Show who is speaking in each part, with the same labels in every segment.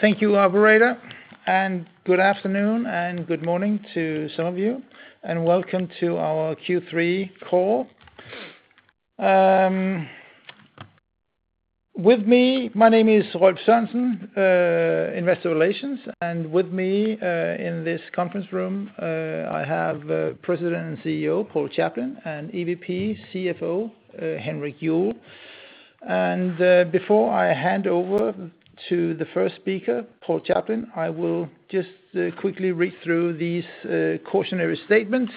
Speaker 1: Thank you, operator. Good afternoon and good morning to some of you, and welcome to our Q3 call. My name is Rolf Sørensen, Investor Relations, and with me in this conference room, I have President and CEO, Paul Chaplin, and EVP CFO, Henrik Juuel. Before I hand over to the first speaker, Paul Chaplin, I will just quickly read through these cautionary statements.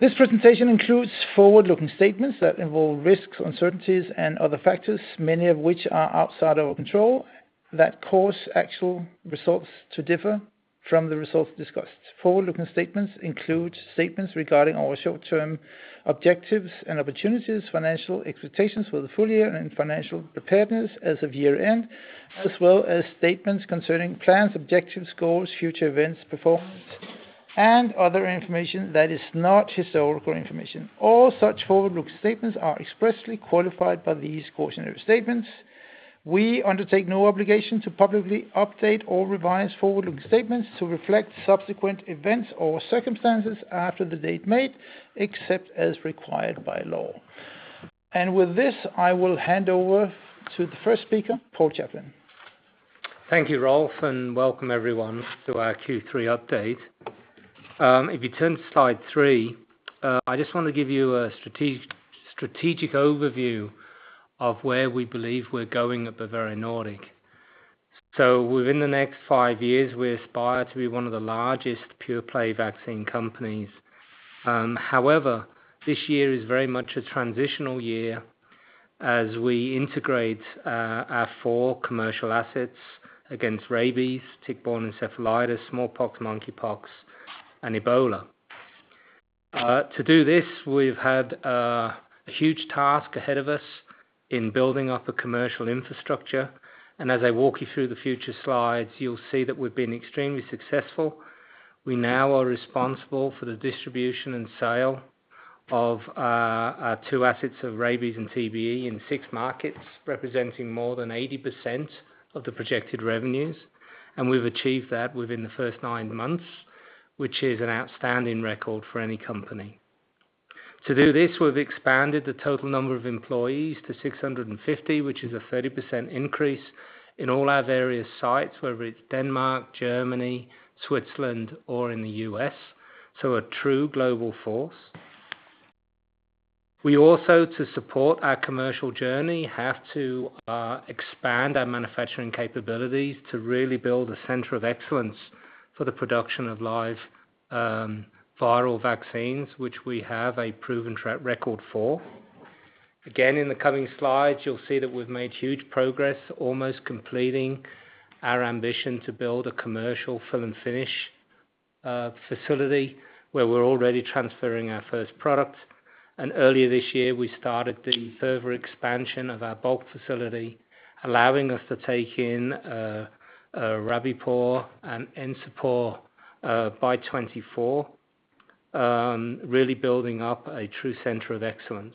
Speaker 1: This presentation includes forward-looking statements that involve risks, uncertainties, and other factors, many of which are outside our control, that cause actual results to differ from the results discussed. Forward-looking statements include statements regarding our short-term objectives and opportunities, financial expectations for the full year, and financial preparedness as of year-end, as well as statements concerning plans, objectives, goals, future events, performance, and other information that is not historical information. All such forward-looking statements are expressly qualified by these cautionary statements. We undertake no obligation to publicly update or revise forward-looking statements to reflect subsequent events or circumstances after the date made, except as required by law. With this, I will hand over to the first speaker, Paul Chaplin.
Speaker 2: Thank you, Rolf, and welcome everyone to our Q3 update. If you turn to slide three, I just want to give you a strategic overview of where we believe we're going at Bavarian Nordic. Within the next five years, we aspire to be one of the largest pure-play vaccine companies. However, this year is very much a transitional year as we integrate our four commercial assets against rabies, tick-borne encephalitis, smallpox, monkeypox, and Ebola. To do this, we've had a huge task ahead of us in building up a commercial infrastructure, and as I walk you through the future slides, you'll see that we've been extremely successful. We now are responsible for the distribution and sale of our two assets of rabies and TBE in six markets, representing more than 80% of the projected revenues, and we've achieved that within the first nine months, which is an outstanding record for any company. To do this, we've expanded the total number of employees to 650, which is a 30% increase in all our various sites, whether it's Denmark, Germany, Switzerland, or in the U.S., so a true global force. We also, to support our commercial journey, have to expand our manufacturing capabilities to really build a center of excellence for the production of live viral vaccines, which we have a proven track record for. Again, in the coming slides, you'll see that we've made huge progress, almost completing our ambition to build a commercial fill and finish facility, where we're already transferring our first product. Earlier this year, we started the further expansion of our bulk facility, allowing us to take in Rabipur and Encepur by 2024, really building up a true center of excellence.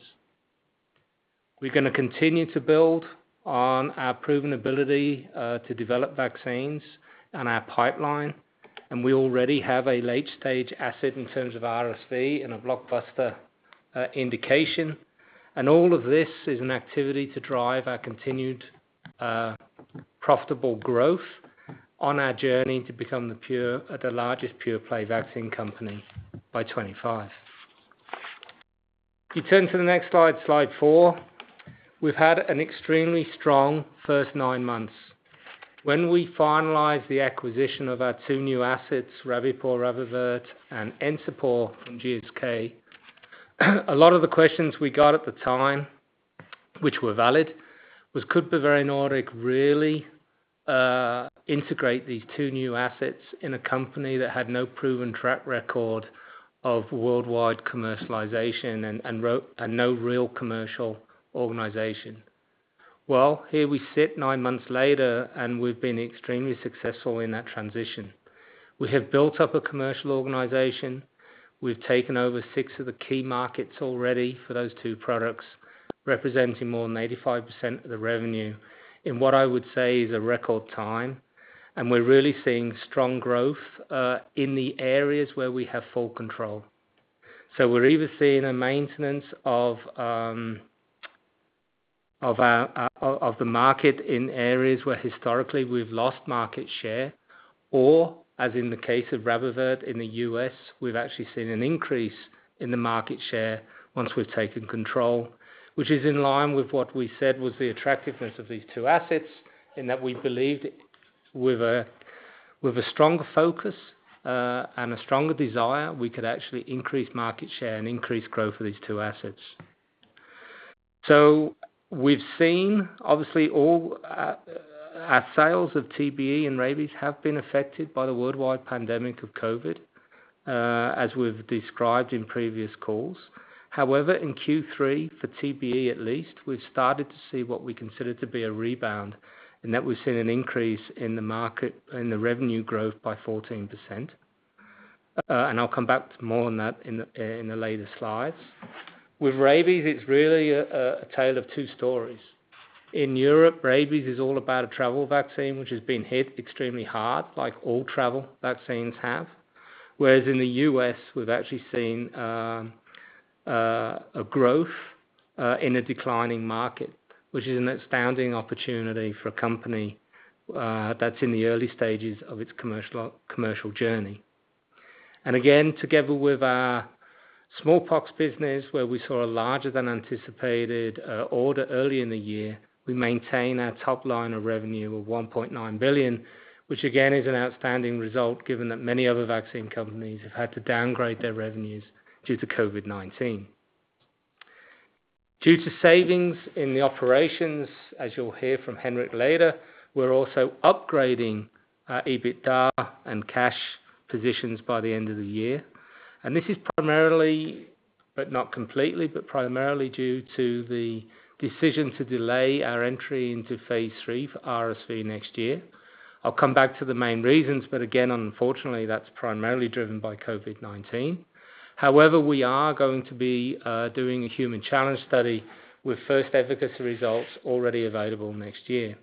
Speaker 2: We're going to continue to build on our proven ability to develop vaccines and our pipeline, and we already have a late-stage asset in terms of RSV and a blockbuster indication. All of this is an activity to drive our continued profitable growth on our journey to become the largest pure-play vaccine company by 2025. If you turn to the next slide four. We've had an extremely strong first nine months. When we finalized the acquisition of our two new assets, Rabipur/RabAvert, and Encepur from GSK, a lot of the questions we got at the time, which were valid, was could Bavarian Nordic really integrate these two new assets in a company that had no proven track record of worldwide commercialization and no real commercial organization? Well, here we sit nine months later, and we've been extremely successful in that transition. We have built up a commercial organization. We've taken over six of the key markets already for those two products, representing more than 85% of the revenue in, what I would say, is a record time, and we're really seeing strong growth in the areas where we have full control. We're either seeing a maintenance of the market in areas where historically we've lost market share, or, as in the case of RabAvert in the U.S., we've actually seen an increase in the market share once we've taken control, which is in line with what we said was the attractiveness of these two assets, in that we believed with a stronger focus and a stronger desire, we could actually increase market share and increase growth for these two assets. We've seen, obviously, our sales of TBE and rabies have been affected by the worldwide pandemic of COVID, as we've described in previous calls. However, in Q3, for TBE at least, we've started to see what we consider to be a rebound, in that we've seen an increase in the revenue growth by 14%. And I'll come back to more on that in the later slides. With rabies, it's really a tale of two stories. In Europe, rabies is all about a travel vaccine, which has been hit extremely hard, like all travel vaccines have. Whereas in the U.S., we've actually seen a growth in a declining market, which is an outstanding opportunity for a company that's in the early stages of its commercial journey. Again, together with our smallpox business, where we saw a larger than anticipated order early in the year, we maintain our top line of revenue of 1.9 billion, which again, is an outstanding result given that many other vaccine companies have had to downgrade their revenues due to COVID-19. Due to savings in the operations, as you'll hear from Henrik later, we're also upgrading our EBITDA and cash positions by the end of the year. This is primarily, but not completely, but primarily due to the decision to delay our entry into phase III for RSV next year. I'll come back to the main reasons, but again, unfortunately, that's primarily driven by COVID-19. However, we are going to be doing a human challenge study with first efficacy results already available next year.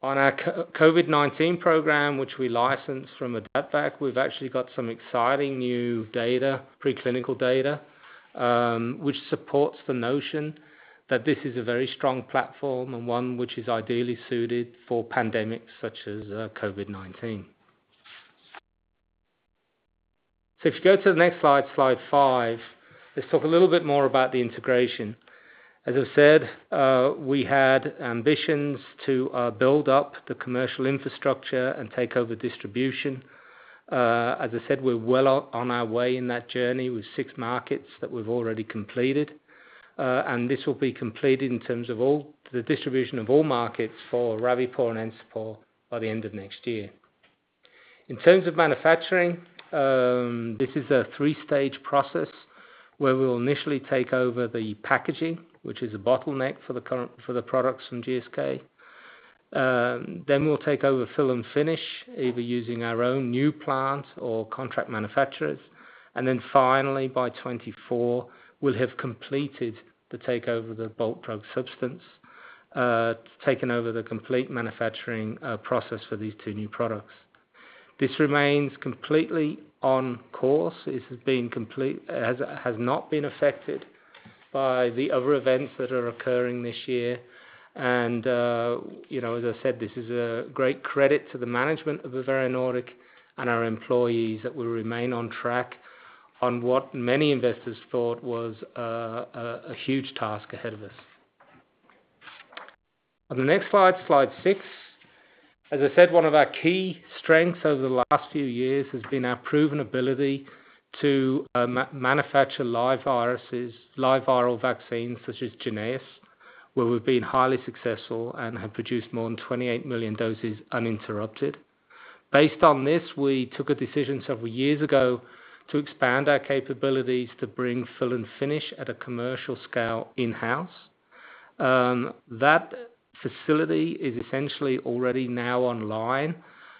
Speaker 2: On our COVID-19 program, which we licensed from AdaptVac, we've actually got some exciting new data, pre-clinical data, which supports the notion that this is a very strong platform and one which is ideally suited for pandemics such as COVID-19. If you go to the next slide five, let's talk a little bit more about the integration. As I said, we had ambitions to build up the commercial infrastructure and take over distribution. As I said, we're well on our way in that journey with six markets that we've already completed. This will be completed in terms of all the distribution of all markets for Rabipur and Encepur by the end of next year. In terms of manufacturing, this is a three-stage process where we'll initially take over the packaging, which is a bottleneck for the products from GSK. We'll take over fill and finish, either using our own new plant or contract manufacturers. Finally, by 2024, we'll have completed the takeover of the bulk drug substance, taken over the complete manufacturing process for these two new products. This remains completely on course. This has not been affected by the other events that are occurring this year. As I said, this is a great credit to the management of Bavarian Nordic and our employees that we remain on track on what many investors thought was a huge task ahead of us. On the next slide six, as I said, one of our key strengths over the last few years has been our proven ability to manufacture live viruses, live viral vaccines such as JYNNEOS, where we've been highly successful and have produced more than 28 million doses uninterrupted. Based on this, we took a decision several years ago to expand our capabilities to bring fill and finish at a commercial scale in-house. That facility is essentially already now online,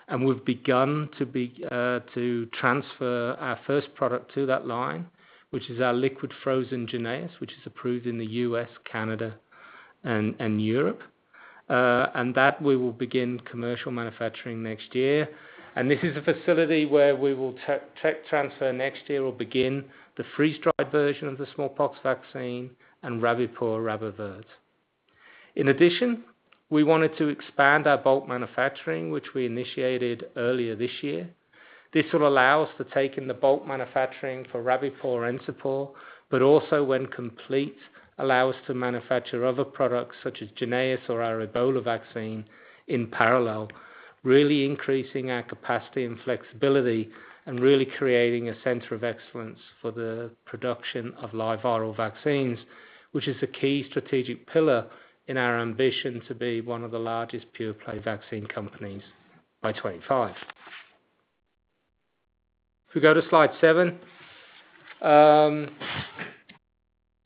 Speaker 2: and we've begun to transfer our first product to that line, which is our liquid frozen JYNNEOS, which is approved in the U.S., Canada, and Europe. That we will begin commercial manufacturing next year. This is a facility where we will tech transfer next year or begin the freeze-dried version of the smallpox vaccine and Rabipur/RabAvert. In addition, we wanted to expand our bulk manufacturing, which we initiated earlier this year. This will allow us to take in the bulk manufacturing for Rabipur, Encepur, but also when complete, allow us to manufacture other products such as JYNNEOS or our Ebola vaccine in parallel, really increasing our capacity and flexibility and really creating a center of excellence for the production of live viral vaccines, which is a key strategic pillar in our ambition to be one of the largest pure-play vaccine companies by 2025. If we go to slide seven.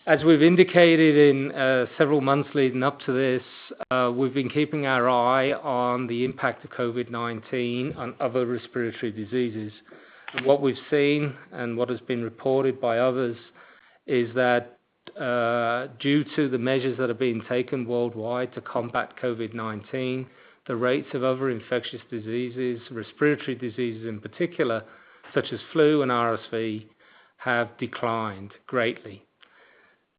Speaker 2: As we've indicated in several months leading up to this, we've been keeping our eye on the impact of COVID-19 on other respiratory diseases. What we've seen and what has been reported by others is that due to the measures that have been taken worldwide to combat COVID-19, the rates of other infectious diseases, respiratory diseases in particular, such as flu and RSV, have declined greatly.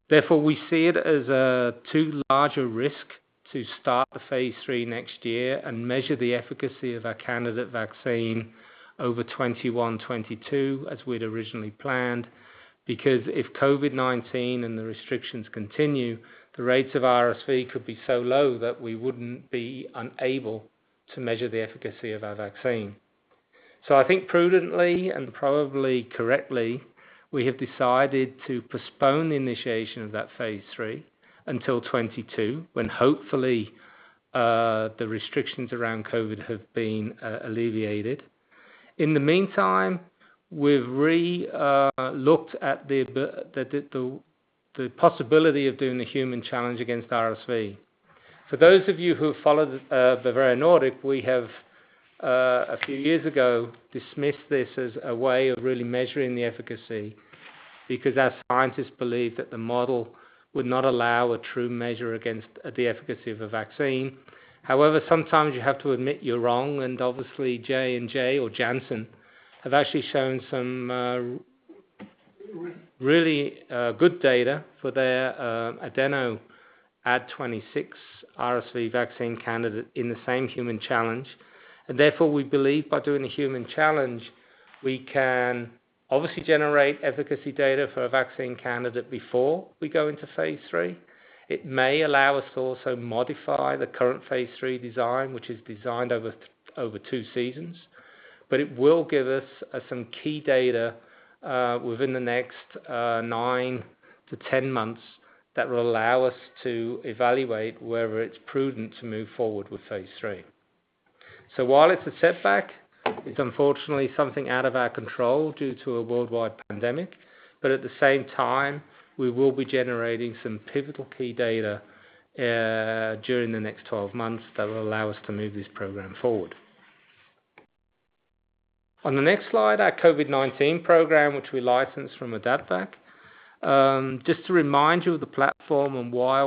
Speaker 2: Therefore, we see it as a too large a risk to start the phase III next year and measure the efficacy of our candidate vaccine over 2021, 2022, as we'd originally planned. Because if COVID-19 and the restrictions continue, the rates of RSV could be so low that we wouldn't be unable to measure the efficacy of our vaccine. I think prudently and probably correctly, we have decided to postpone the initiation of that phase III until 2022 when hopefully, the restrictions around COVID have been alleviated. In the meantime, we've re-looked at the possibility of doing the human challenge against RSV. For those of you who have followed Bavarian Nordic, we have, a few years ago, dismissed this as a way of really measuring the efficacy, because our scientists believe that the model would not allow a true measure against the efficacy of a vaccine. However, sometimes you have to admit you're wrong, and obviously, J&J or Janssen have actually shown some really good data for their adeno Ad26.RSV vaccine candidate in the same human challenge. Therefore, we believe by doing the human challenge, we can obviously generate efficacy data for a vaccine candidate before we go into phase III. It may allow us to also modify the current phase III design, which is designed over two seasons. It will give us some key data within the next 9-10 months that will allow us to evaluate whether it's prudent to move forward with phase III. While it's a setback, it's unfortunately something out of our control due to a worldwide pandemic. At the same time, we will be generating some pivotal key data during the next 12 months that will allow us to move this program forward. On the next slide, our COVID-19 program, which we licensed from AdaptVac. Just to remind you of the platform and why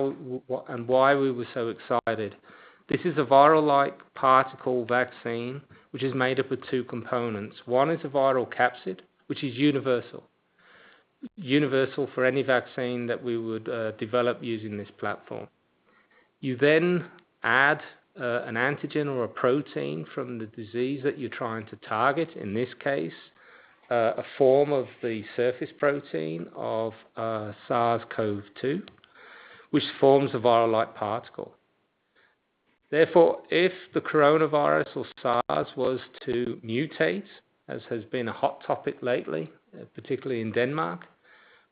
Speaker 2: we were so excited. This is a viral-like particle vaccine, which is made up of two components. One is a viral capsid, which is universal. Universal for any vaccine that we would develop using this platform. You add an antigen or a protein from the disease that you're trying to target, in this case, a form of the surface protein of SARS-CoV-2, which forms a viral-like particle. Therefore, if the coronavirus or SARS was to mutate, as has been a hot topic lately, particularly in Denmark,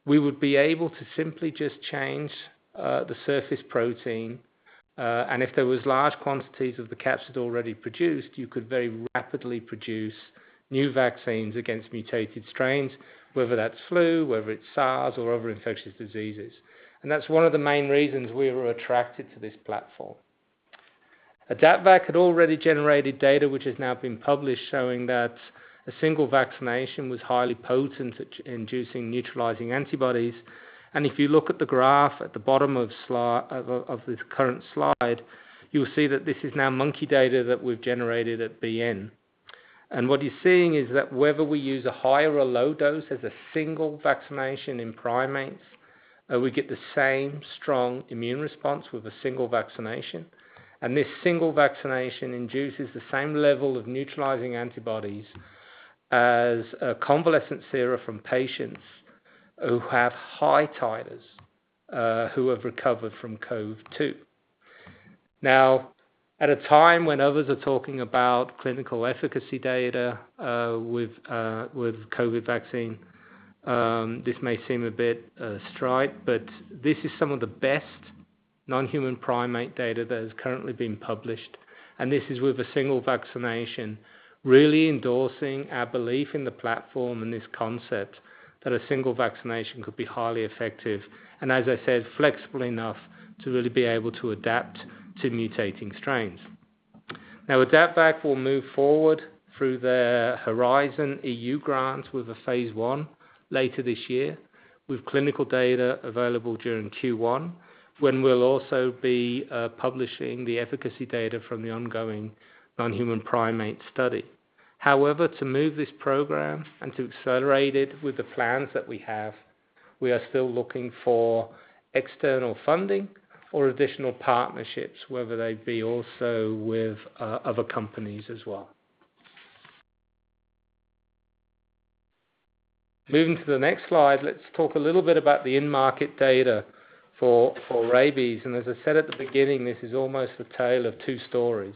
Speaker 2: we would be able to simply just change the surface protein. If there was large quantities of the capsid already produced, you could very rapidly produce new vaccines against mutated strains, whether that's flu, whether it's SARS, or other infectious diseases. That's one of the main reasons we were attracted to this platform. AdaptVac had already generated data, which has now been published, showing that a single vaccination was highly potent at inducing neutralizing antibodies. If you look at the graph at the bottom of this current slide, you'll see that this is now monkey data that we've generated at BN. What you're seeing is that whether we use a high or a low dose as a single vaccination in primates, we get the same strong immune response with a single vaccination. This single vaccination induces the same level of neutralizing antibodies as convalescent sera from patients who have high titers, who have recovered from CoV-2. Now, at a time when others are talking about clinical efficacy data with COVID vaccine, this may seem a bit astride, but this is some of the best non-human primate data that has currently been published. This is with a single vaccination, really endorsing our belief in the platform and this concept that a single vaccination could be highly effective. As I said, flexible enough to really be able to adapt to mutating strains. AdaptVac will move forward through their Horizon EU grant with a phase I later this year, with clinical data available during Q1, when we will also be publishing the efficacy data from the ongoing non-human primate study. To move this program and to accelerate it with the plans that we have, we are still looking for external funding or additional partnerships, whether they be also with other companies as well. Moving to the next slide, let us talk a little bit about the in-market data for rabies. As I said at the beginning, this is almost a tale of two stories.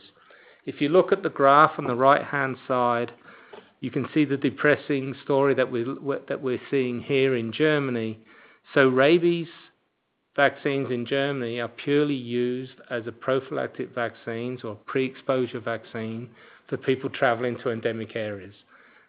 Speaker 2: If you look at the graph on the right-hand side, you can see the depressing story that we are seeing here in Germany. Rabies vaccines in Germany are purely used as a prophylactic vaccine or pre-exposure vaccine for people traveling to endemic areas.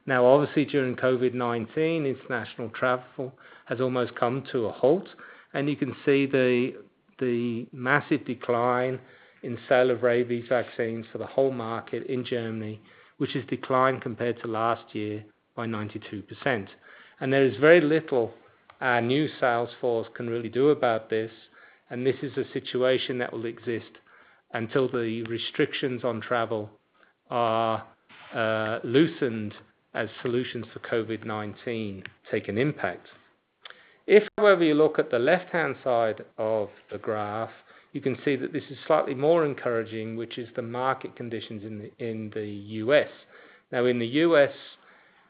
Speaker 2: Now, obviously, during COVID-19, international travel has almost come to a halt. You can see the massive decline in sale of rabies vaccines for the whole market in Germany, which has declined compared to last year by 92%. There is very little our new sales force can really do about this, and this is a situation that will exist until the restrictions on travel are loosened as solutions for COVID-19 take an impact. If, however, you look at the left-hand side of the graph, you can see that this is slightly more encouraging, which is the market conditions in the U.S. Now in the U.S.,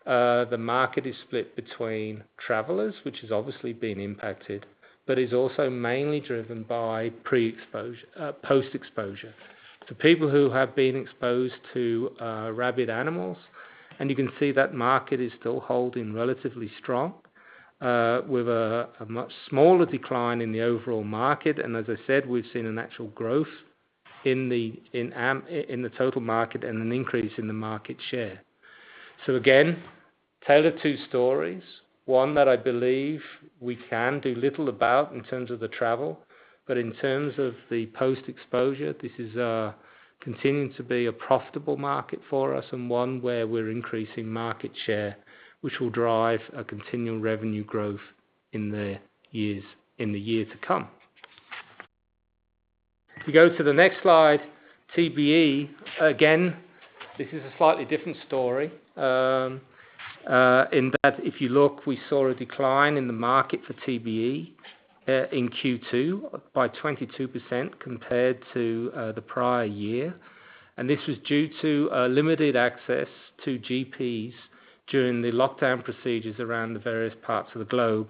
Speaker 2: the market is split between travelers, which has obviously been impacted, but is also mainly driven by post-exposure. People who have been exposed to rabid animals, and you can see that market is still holding relatively strong, with a much smaller decline in the overall market. As I said, we've seen an actual growth in the total market and an increase in the market share. Again, tale of two stories. One that I believe we can do little about in terms of the travel, but in terms of the post-exposure, this is continuing to be a profitable market for us and one where we're increasing market share, which will drive a continual revenue growth in the year to come. If you go to the next slide, TBE, again, this is a slightly different story, in that if you look, we saw a decline in the market for TBE in Q2 by 22% compared to the prior year. This was due to limited access to GPs during the lockdown procedures around the various parts of the globe,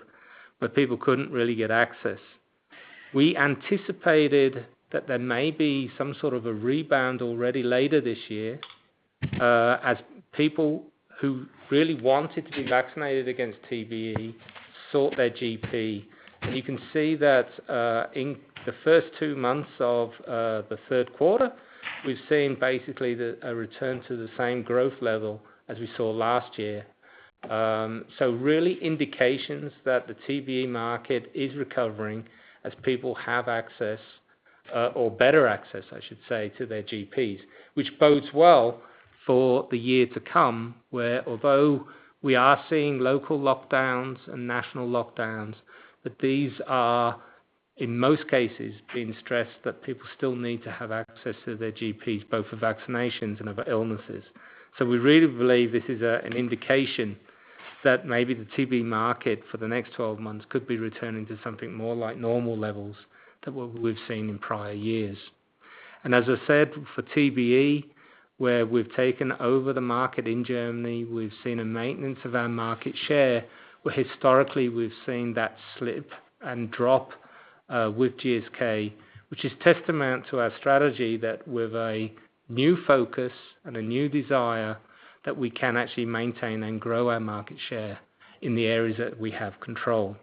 Speaker 2: where people couldn't really get access. We anticipated that there may be some sort of a rebound already later this year, as people who really wanted to be vaccinated against TBE sought their GP. You can see that, in the first two months of the third quarter, we've seen basically a return to the same growth level as we saw last year. Really indications that the TBE market is recovering as people have access, or better access, I should say, to their GPs, which bodes well for the year to come, where although we are seeing local lockdowns and national lockdowns, that these are, in most cases, being stressed that people still need to have access to their GPs, both for vaccinations and other illnesses. We really believe this is an indication that maybe the TBE market for the next 12 months could be returning to something more like normal levels to what we've seen in prior years. As I said, for TBE, where we've taken over the market in Germany, we've seen a maintenance of our market share, where historically we've seen that slip and drop, with GSK, which is testament to our strategy that with a new focus and a new desire, that we can actually maintain and grow our market share in the areas that we have control.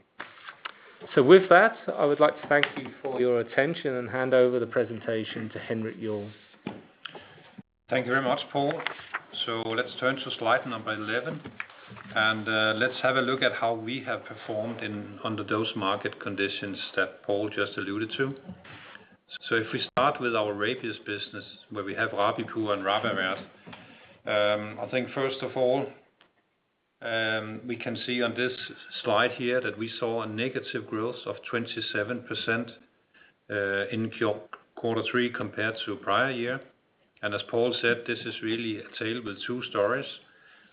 Speaker 2: With that, I would like to thank you for your attention and hand over the presentation to Henrik Juuel.
Speaker 3: Thank you very much, Paul. Let's turn to slide number 11, and let's have a look at how we have performed under those market conditions that Paul just alluded to. If we start with our rabies business, where we have Rabipur and RabAvert. I think first of all, we can see on this slide here that we saw a negative growth of 27% in quarter three compared to prior year. As Paul said, this is really a tale with two stories.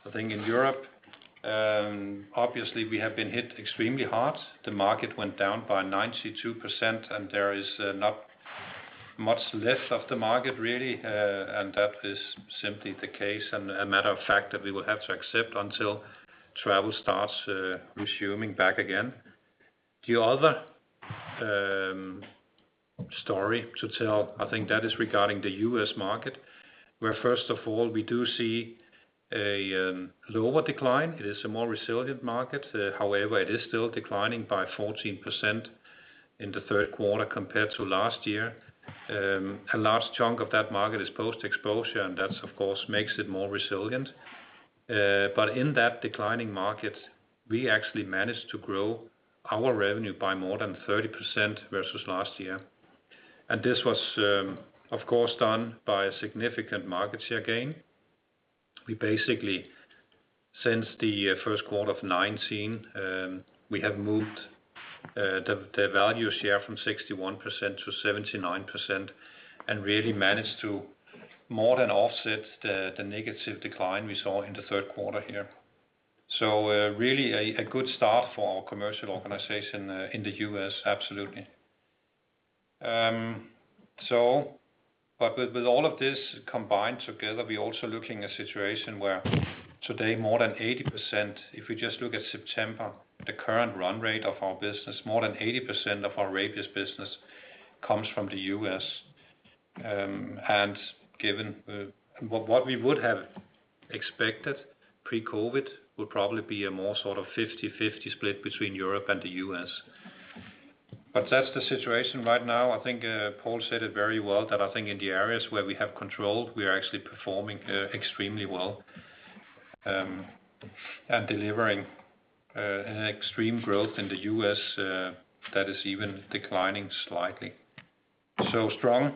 Speaker 3: I think in Europe, obviously we have been hit extremely hard. The market went down by 92%, and there is not much left of the market, really. That is simply the case and a matter of fact that we will have to accept until travel starts resuming back again. The other story to tell, I think that is regarding the U.S. market, where first of all, we do see a lower decline. It is a more resilient market. However, it is still declining by 14% in the third quarter compared to last year. A large chunk of that market is post-exposure, and that of course makes it more resilient. In that declining market, we actually managed to grow our revenue by more than 30% versus last year. This was, of course, done by a significant market share gain. We basically, since the first quarter of 2019, we have moved the value share from 61% to 79% and really managed to more than offset the negative decline we saw in the third quarter here. Really a good start for our commercial organization in the U.S., absolutely. With all of this combined together, we're also looking a situation where today more than 80%, if we just look at September, the current run rate of our business, more than 80% of our rabies business comes from the U.S. given what we would have expected pre-COVID, would probably be a more sort of 50/50 split between Europe and the U.S. that's the situation right now. I think Paul said it very well that I think in the areas where we have control, we are actually performing extremely well, and delivering an extreme growth in the U.S. that is even declining slightly. Strong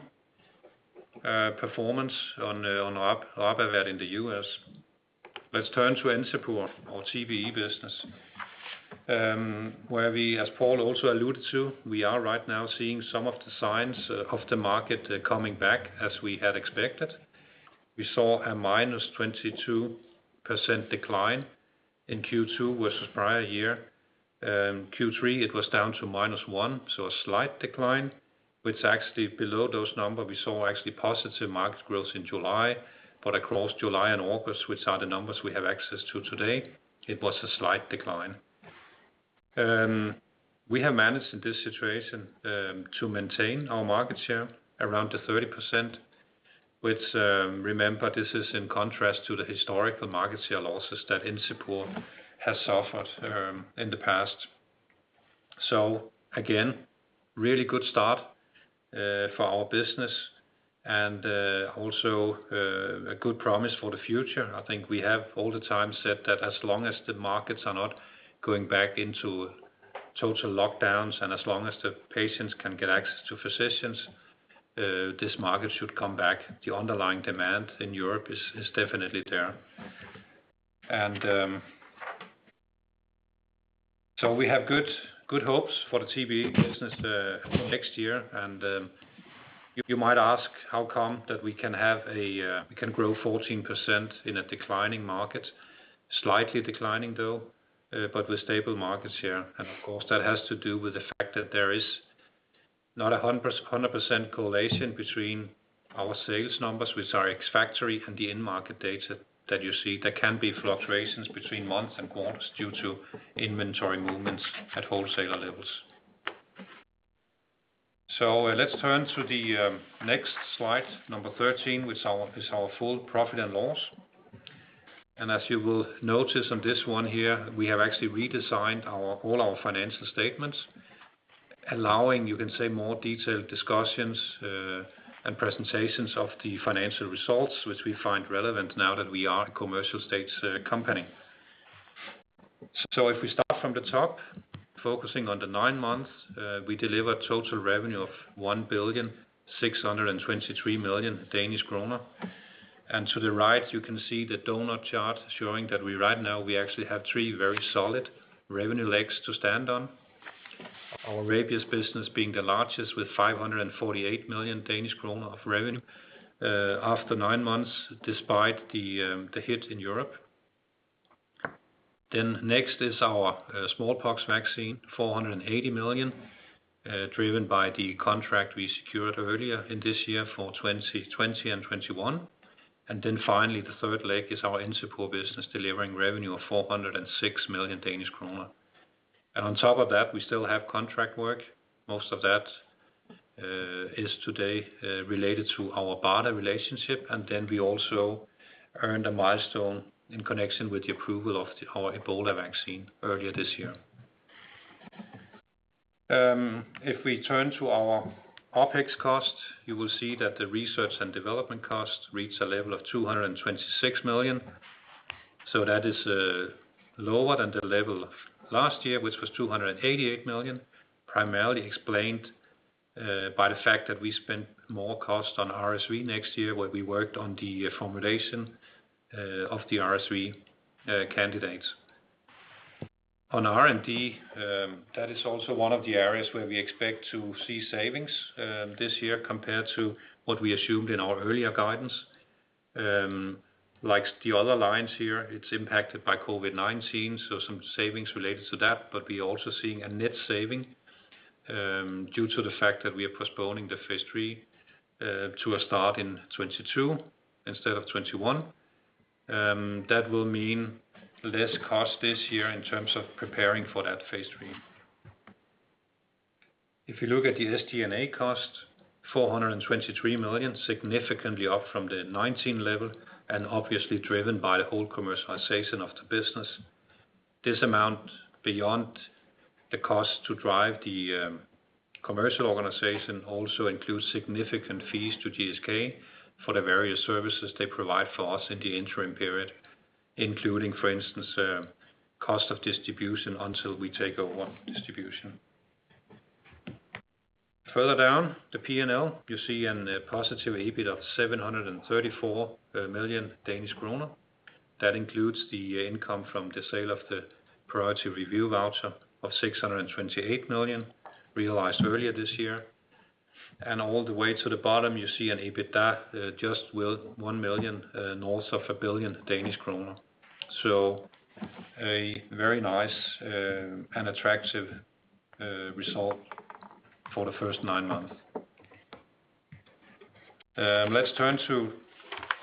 Speaker 3: performance on RabAvert in the U.S. Let's turn to Encepur, our TBE business, where we, as Paul also alluded to, we are right now seeing some of the signs of the market coming back as we had expected. We saw a -22% decline in Q2 versus prior year. Q3, it was down to -1, so a slight decline, which actually below those numbers we saw actually positive market growth in July. Across July and August, which are the numbers we have access to today, it was a slight decline. We have managed in this situation to maintain our market share around the 30%, which, remember, this is in contrast to the historical market share losses that Encepur has suffered in the past. Again, really good start for our business and also a good promise for the future. I think we have all the time said that as long as the markets are not going back into total lockdowns and as long as the patients can get access to physicians, this market should come back. The underlying demand in Europe is definitely there. We have good hopes for the TBE business next year. You might ask how come that we can grow 14% in a declining market, slightly declining though, but with stable markets here. Of course, that has to do with the fact that there is not 100% correlation between our sales numbers, which are ex factory, and the end market data that you see. There can be fluctuations between months and quarters due to inventory movements at wholesaler levels. Let's turn to the next slide number 13, which is our full profit and loss. As you will notice on this one here, we have actually redesigned all our financial statements, allowing, you can say, more detailed discussions and presentations of the financial results, which we find relevant now that we are a commercial stage company. If we start from the top, focusing on the nine months, we delivered total revenue of 1,623,000,000 Danish kroner. To the right, you can see the doughnut chart showing that right now, we actually have three very solid revenue legs to stand on. Our rabies business being the largest with 548 million Danish kroner of revenue after nine months, despite the hit in Europe. Next is our smallpox vaccine, 480 million, driven by the contract we secured earlier in this year for 2020 and 2021. Finally, the third leg is our Encepur business delivering revenue of 406 million Danish kroner. On top of that, we still have contract work. Most of that is today related to our BARDA relationship. We also earned a milestone in connection with the approval of our Ebola vaccine earlier this year. If we turn to our OpEx cost, you will see that the research and development cost reached a level of 226 million. That is lower than the level of last year, which was 288 million, primarily explained by the fact that we spent more cost on RSV next year, where we worked on the formulation of the RSV candidates. On R&D, that is also one of the areas where we expect to see savings this year compared to what we assumed in our earlier guidance. Like the other lines here, it's impacted by COVID-19, so some savings related to that. We are also seeing a net saving due to the fact that we are postponing the phase III to a start in 2022 instead of 2021. That will mean less cost this year in terms of preparing for that phase III. If you look at the SG&A cost, 423 million, significantly up from the 2019 level. Obviously driven by the whole commercialization of the business. This amount beyond the cost to drive the commercial organization also includes significant fees to GSK for the various services they provide for us in the interim period, including, for instance, cost of distribution until we take over distribution. Further down the P&L, you see a positive EBIT of 734 million Danish kroner. That includes the income from the sale of the priority review voucher of 628 million realized earlier this year. All the way to the bottom, you see an EBITDA just with 1 million north of 1 billion Danish kroner. A very nice and attractive result for the first nine months. Let's turn to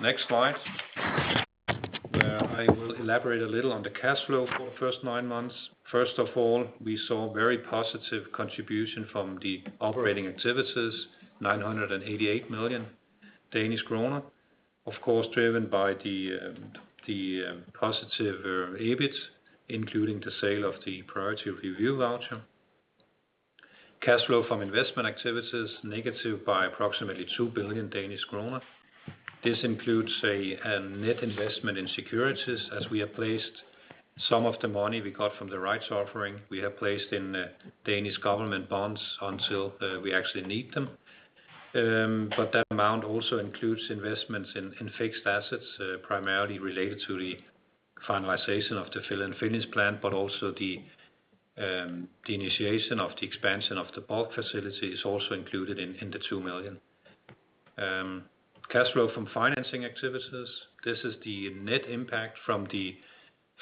Speaker 3: next slide, where I will elaborate a little on the cash flow for the first nine months. First of all, we saw very positive contribution from the operating activities, 988 million Danish kroner, of course, driven by the positive EBIT, including the sale of the priority review voucher. Cash flow from investment activities, negative by approximately 2 billion Danish kroner. This includes a net investment in securities, as we have placed some of the money we got from the rights offering, we have placed in Danish government bonds until we actually need them. That amount also includes investments in fixed assets, primarily related to the finalization of the fill and finish plan, but also the initiation of the expansion of the bulk facility is also included in the 2 billion. Cash flow from financing activities. This is the net impact from the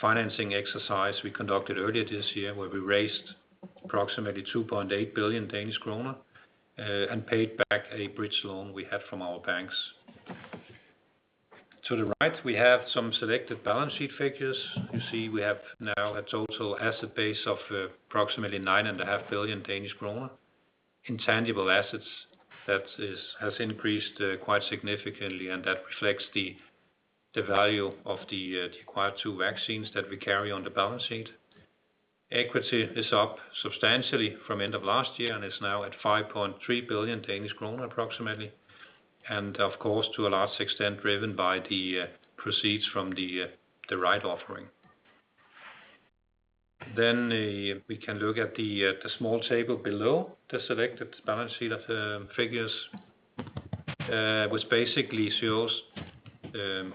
Speaker 3: financing exercise we conducted earlier this year, where we raised approximately 2.8 billion Danish kroner and paid back a bridge loan we had from our banks. To the right, we have some selected balance sheet figures. You see we have now a total asset base of approximately 9.5 billion Danish kroner. Intangible assets, that has increased quite significantly, and that reflects the value of the acquired two vaccines that we carry on the balance sheet. Equity is up substantially from end of last year and is now at 5.3 billion Danish kroner approximately, and of course, to a large extent driven by the proceeds from the right offering. We can look at the small table below the selected balance sheet of figures, which basically shows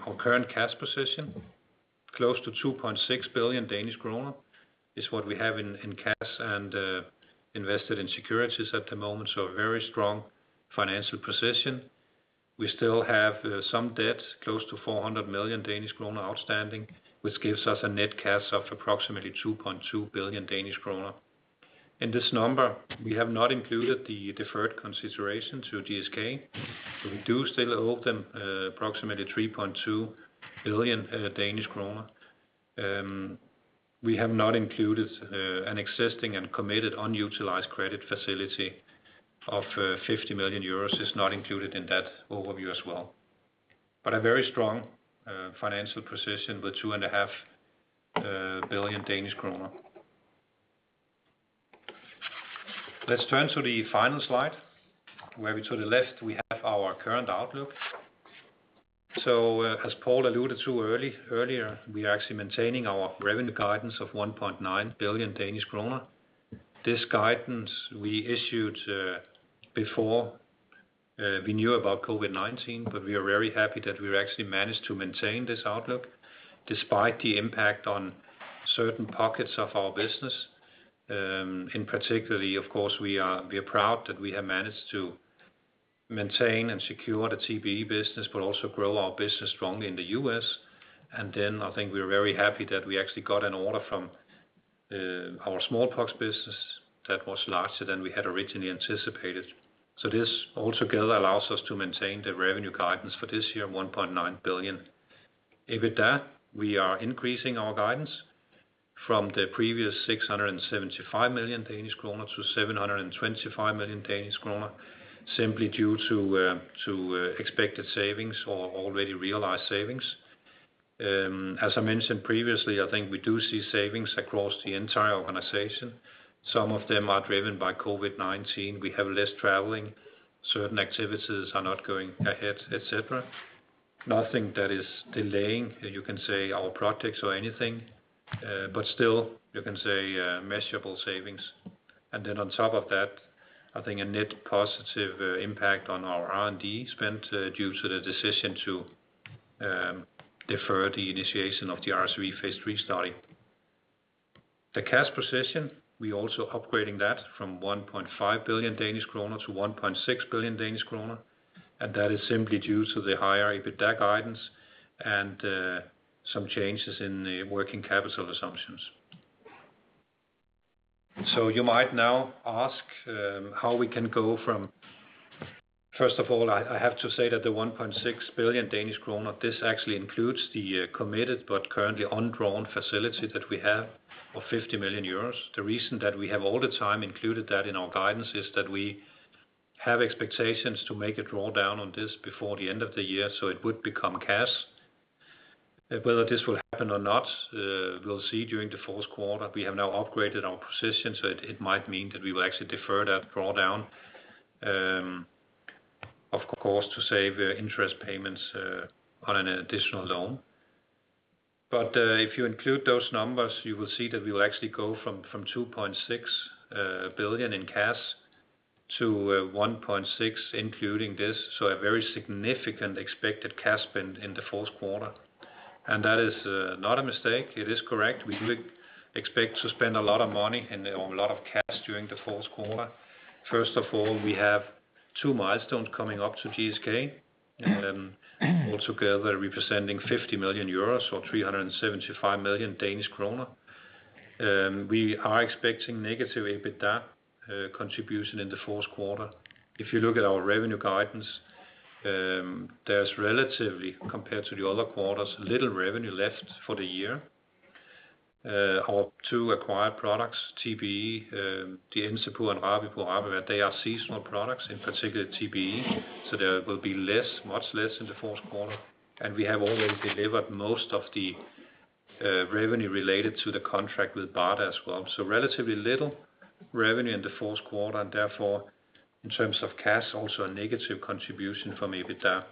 Speaker 3: our current cash position, close to 2.6 billion Danish kroner is what we have in cash and invested in securities at the moment, so a very strong financial position. We still have some debt, close to 400 million Danish kroner outstanding, which gives us a net cash of approximately 2.2 billion Danish kroner. In this number, we have not included the deferred consideration to GSK. We do still owe them approximately 3.2 billion Danish kroner. We have not included an existing and committed unutilized credit facility of 50 million euros, is not included in that overview as well. A very strong financial position with DKK 2.5 billion. Let's turn to the final slide, where to the left we have our current outlook. As Paul alluded to earlier, we are actually maintaining our revenue guidance of 1.9 billion Danish kroner. This guidance we issued before we knew about COVID-19, we are very happy that we actually managed to maintain this outlook despite the impact on certain pockets of our business. In particular, of course, we are proud that we have managed to maintain and secure the TBE business, also grow our business strongly in the U.S. I think we are very happy that we actually got an order from our smallpox business that was larger than we had originally anticipated. This altogether allows us to maintain the revenue guidance for this year of 1.9 billion. EBITDA, we are increasing our guidance from the previous 675 million-725 million Danish kroner, simply due to expected savings or already realized savings. As I mentioned previously, I think we do see savings across the entire organization. Some of them are driven by COVID-19. We have less traveling, certain activities are not going ahead, et cetera. Nothing that is delaying, you can say our projects or anything, but still, you can say measurable savings. On top of that, I think a net positive impact on our R&D spend due to the decision to defer the initiation of the RSV phase III study. The cash position, we also upgrading that from 1.5 billion Danish kroner to 1.6 billion Danish kroner, that is simply due to the higher EBITDA guidance and some changes in the working capital assumptions. You might now ask how we can go from. First of all, I have to say that the 1.6 billion Danish kroner, this actually includes the committed but currently undrawn facility that we have of 50 million euros. The reason that we have all the time included that in our guidance is that we have expectations to make a drawdown on this before the end of the year, so it would become cash. Whether this will happen or not, we'll see during the fourth quarter. We have now upgraded our position, it might mean that we will actually defer that drawdown, of course, to save interest payments on an additional loan. If you include those numbers, you will see that we will actually go from 2.6 billion in cash to 1.6 including this, a very significant expected cash spend in the fourth quarter. That is not a mistake. It is correct. We do expect to spend a lot of money and a lot of cash during the fourth quarter. First of all, we have two milestones coming up to GSK, altogether representing 50 million euros or 375 million Danish krone. We are expecting negative EBITDA contribution in the fourth quarter. If you look at our revenue guidance, there's relatively, compared to the other quarters, little revenue left for the year. Our two acquired products, TBE, the Encepur and Rabipur, they are seasonal products, in particular TBE, so there will be much less in the fourth quarter. We have already delivered most of the revenue related to the contract with BARDA as well. Relatively little revenue in the fourth quarter and therefore, in terms of cash, also a negative contribution from EBITDA.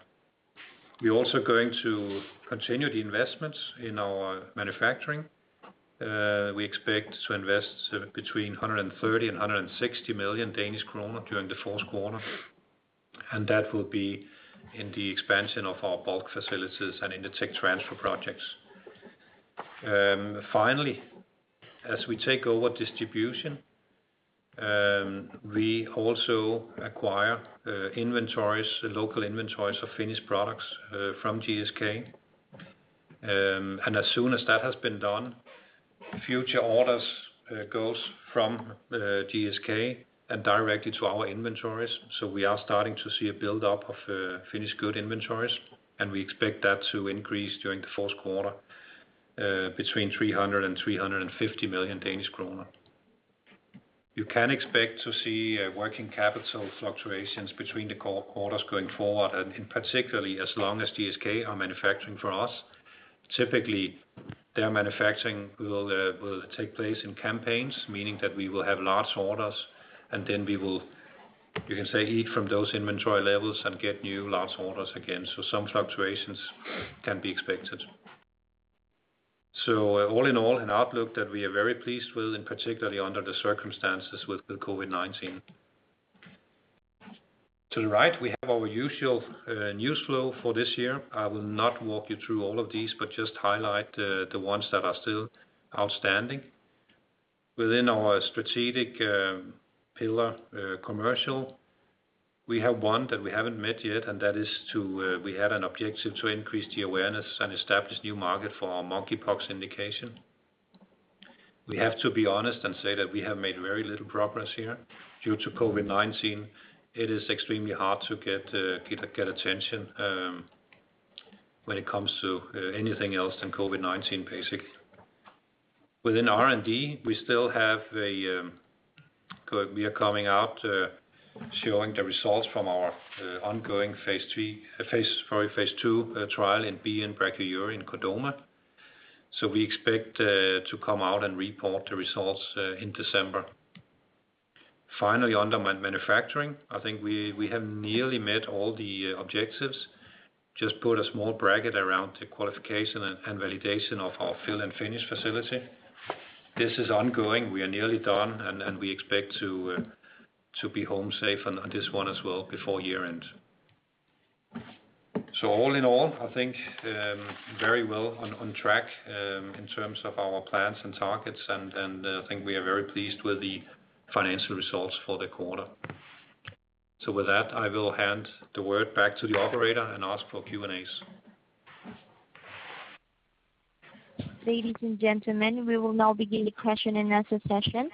Speaker 3: We are also going to continue the investments in our manufacturing. We expect to invest between 130 million Danish krone and 160 million Danish kroner during the fourth quarter, and that will be in the expansion of our bulk facilities and in the tech transfer projects. Finally, as we take over distribution, we also acquire inventories, local inventories of finished products from GSK. As soon as that has been done, future orders goes from GSK and directly to our inventories. We are starting to see a build-up of finished goods inventories, and we expect that to increase during the fourth quarter between 300 million Danish krone and 350 million Danish kroner. You can expect to see working capital fluctuations between the quarters going forward, and particularly as long as GSK are manufacturing for us. Typically, their manufacturing will take place in campaigns, meaning that we will have large orders and then we will, you can say, eat from those inventory levels and get new large orders again. Some fluctuations can be expected. All in all, an outlook that we are very pleased with, and particularly under the circumstances with the COVID-19. To the right, we have our usual news flow for this year. I will not walk you through all of these, but just highlight the ones that are still outstanding. Within our strategic pillar, commercial, we have one that we haven't met yet, and that is we have an objective to increase the awareness and establish new market for our monkeypox indication. We have to be honest and say that we have made very little progress here. Due to COVID-19, it is extremely hard to get attention when it comes to anything else than COVID-19, basically. Within R&D, we are coming out showing the results from our ongoing phase II trial in BN-Brachyury in chordoma. We expect to come out and report the results in December. Finally, under manufacturing, I think we have nearly met all the objectives. Just put a small bracket around the qualification and validation of our fill and finish facility. This is ongoing. We are nearly done, and we expect to be home safe on this one as well before year-end. All in all, I think very well on track in terms of our plans and targets, and I think we are very pleased with the financial results for the quarter. With that, I will hand the word back to the operator and ask for Q&As.
Speaker 4: Ladies and gentlemen, we will now begin the question and answer session.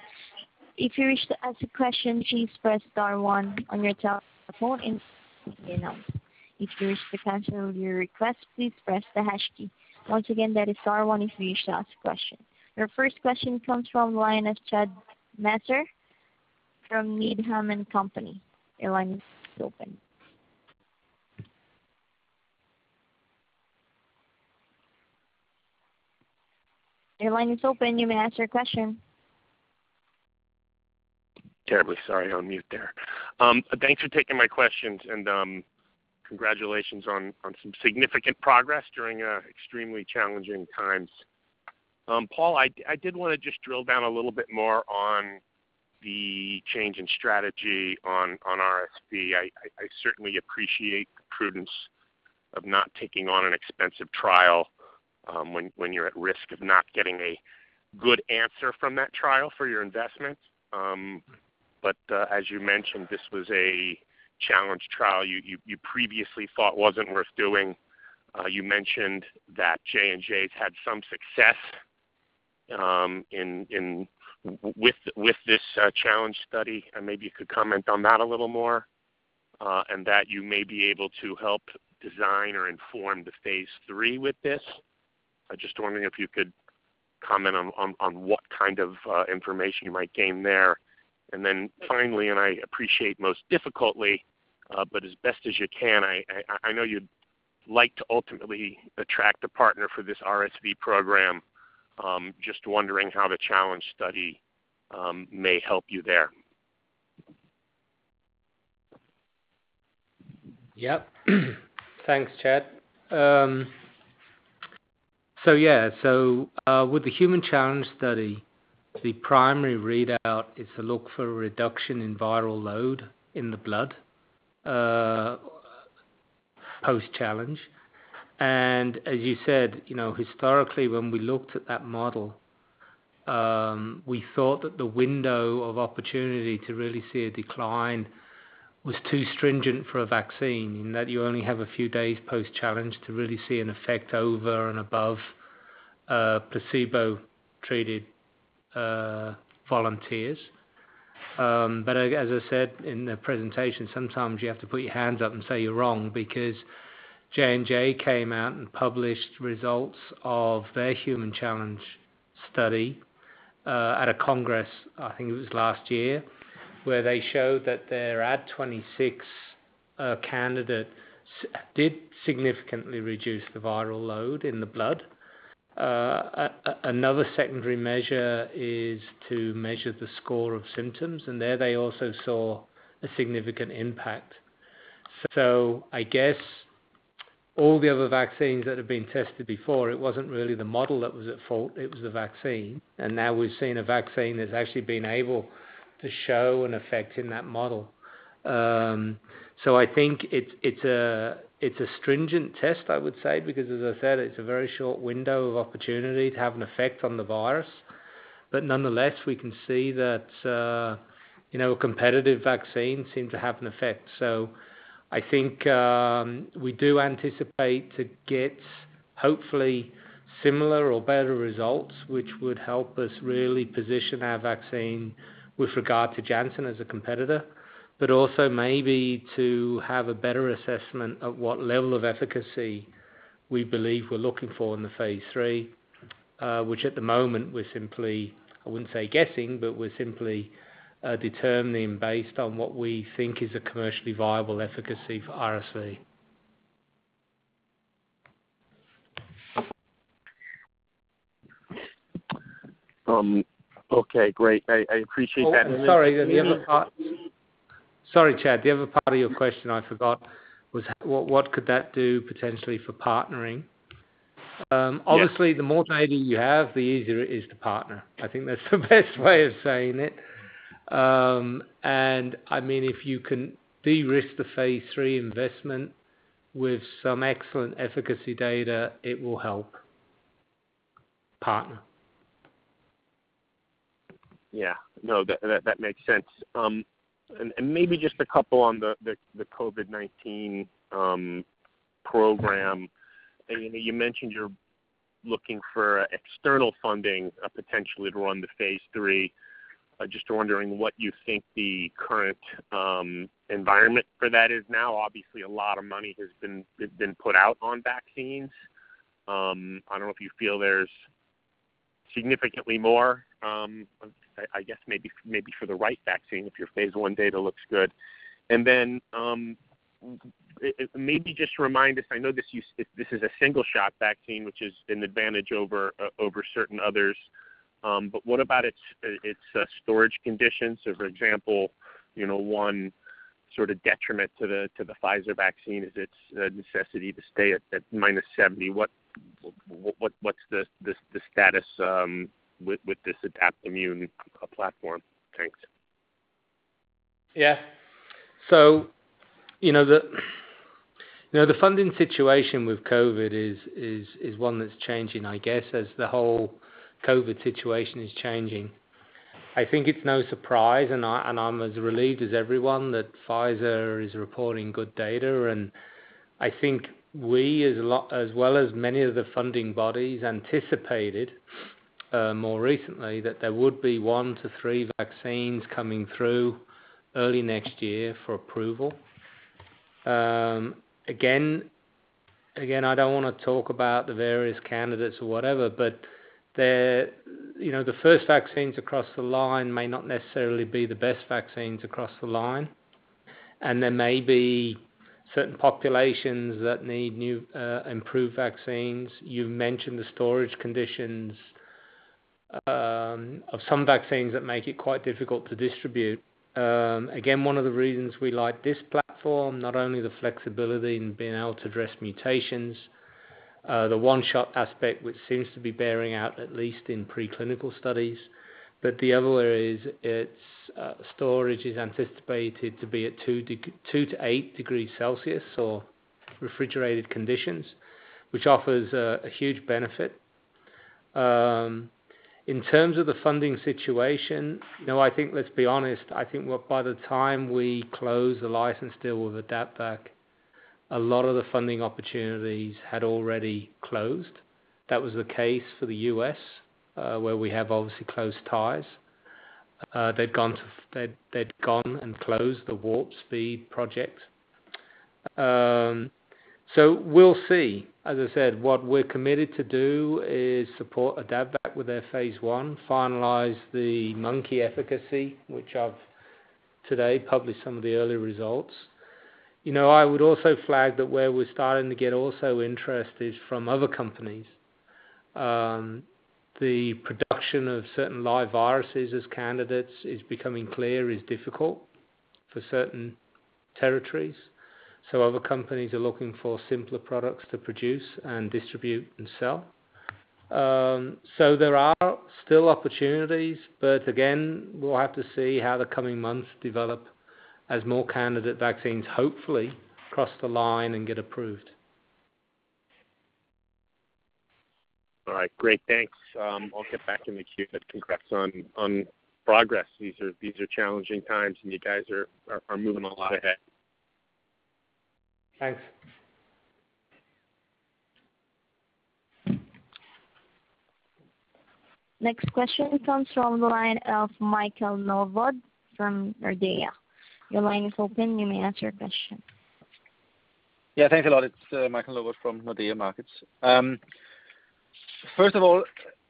Speaker 4: If you wish to ask a question, please press star one on your telephone If you wish to cancel your request, please press the hash key. Once again, that is star one if you wish to ask a question. Your first question comes from the line of Chad Messer from Needham & Company. Your line is open. Your line is open. You may ask your question.
Speaker 5: Terribly sorry. On mute there. Thanks for taking my questions and congratulations on some significant progress during extremely challenging times. Paul, I did want to just drill down a little bit more on the change in strategy on RSV. I certainly appreciate the prudence of not taking on an expensive trial when you're at risk of not getting a good answer from that trial for your investment. As you mentioned, this was a challenge trial you previously thought wasn't worth doing. You mentioned that J&J's had some success with this challenge study, and maybe you could comment on that a little more, and that you may be able to help design or inform the phase III with this. I was just wondering if you could comment on what kind of information you might gain there. Finally, I appreciate most difficultly, but as best as you can, I know you'd like to ultimately attract a partner for this RSV program. Just wondering how the challenge study may help you there.
Speaker 2: Thanks, Chad. So yeah. With the human challenge study, the primary readout is to look for a reduction in viral load in the blood post-challenge. As you said, historically, when we looked at that model, we thought that the window of opportunity to really see a decline was too stringent for a vaccine in that you only have a few days post-challenge to really see an effect over and above placebo-treated volunteers. As I said in the presentation, sometimes you have to put your hands up and say you're wrong because J&J came out and published results of their human challenge study at a congress, I think it was last year, where they showed that their Ad26 candidate did significantly reduce the viral load in the blood. Another secondary measure is to measure the score of symptoms, there they also saw a significant impact. I guess all the other vaccines that have been tested before, it wasn't really the model that was at fault, it was the vaccine. Now we've seen a vaccine that's actually been able to show an effect in that model. I think it's a stringent test, I would say, because as I said, it's a very short window of opportunity to have an effect on the virus. Nonetheless, we can see that a competitive vaccine seemed to have an effect. I think we do anticipate to get hopefully similar or better results, which would help us really position our vaccine with regard to Janssen as a competitor, but also maybe to have a better assessment of what level of efficacy we believe we're looking for in the phase III, which at the moment we're simply, I wouldn't say guessing, but we're simply determining based on what we think is a commercially viable efficacy for RSV.
Speaker 5: Okay, great. I appreciate that.
Speaker 2: Sorry, Chad, the other part of your question I forgot was what could that do potentially for partnering?
Speaker 5: Yes.
Speaker 2: Obviously, the more data you have, the easier it is to partner. I think that's the best way of saying it. If you can de-risk the phase III investment with some excellent efficacy data, it will help partner.
Speaker 5: Yeah. No, that makes sense. Maybe just a couple on the COVID-19 program. You mentioned you're looking for external funding potentially to run the phase III. Just wondering what you think the current environment for that is now. Obviously, a lot of money has been put out on vaccines. I don't know if you feel there's significantly more, I guess maybe for the right vaccine, if your phase I data looks good. Maybe just remind us, I know this is a single-shot vaccine, which is an advantage over certain others, but what about its storage conditions? For example, one sort of detriment to the Pfizer vaccine is its necessity to stay at -70. What's the status with this Adaptimmune platform? Thanks.
Speaker 2: Yeah. The funding situation with COVID is one that's changing, I guess, as the whole COVID situation is changing. I think it's no surprise, and I'm as relieved as everyone that Pfizer is reporting good data. I think we, as well as many of the funding bodies, anticipated more recently that there would be one to three vaccines coming through early next year for approval. Again, I don't want to talk about the various candidates or whatever, the first vaccines across the line may not necessarily be the best vaccines across the line. There may be certain populations that need new, improved vaccines. You've mentioned the storage conditions of some vaccines that make it quite difficult to distribute. One of the reasons we like this platform, not only the flexibility in being able to address mutations, the one-shot aspect, which seems to be bearing out, at least in preclinical studies. The other way is its storage is anticipated to be at two degrees Celsius to eight degrees Celsius or refrigerated conditions, which offers a huge benefit. In terms of the funding situation, I think, let's be honest, I think by the time we closed the license deal with AdaptVac, a lot of the funding opportunities had already closed. That was the case for the U.S., where we have obviously close ties. They'd gone and closed the Warp Speed project. We'll see. As I said, what we're committed to do is support AdaptVac with their phase I, finalize the monkey efficacy, which I've today published some of the early results. I would also flag that where we're starting to get also interest is from other companies. The production of certain live viruses as candidates, it's becoming clear, is difficult for certain territories. Other companies are looking for simpler products to produce and distribute and sell. There are still opportunities, but again, we'll have to see how the coming months develop as more candidate vaccines hopefully cross the line and get approved.
Speaker 5: All right. Great. Thanks. I'll get back in the queue, but congrats on progress. These are challenging times, and you guys are moving a lot ahead.
Speaker 2: Thanks.
Speaker 4: Next question comes from the line of Michael Novod from Nordea. Your line is open. You may ask your question.
Speaker 6: Thanks a lot. It is Michael Novod from Nordea Markets. First of all,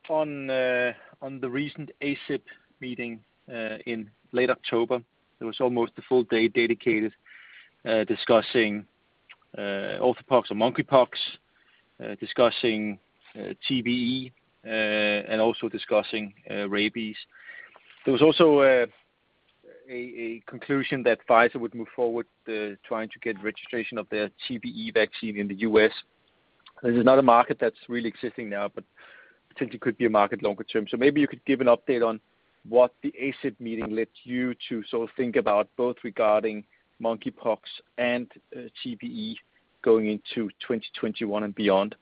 Speaker 6: on the recent ACIP meeting in late October, there was almost a full day dedicated discussing orthopox or monkeypox, discussing TBE, and also discussing rabies. There was also a conclusion that Pfizer would move forward trying to get registration of their TBE vaccine in the U.S. This is not a market that is really existing now, but potentially could be a market longer term. Maybe you could give an update on what the ACIP meeting led you to think about both regarding monkeypox and TBE going into 2021 and beyond?